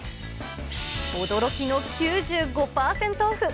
驚きの９５％オフ。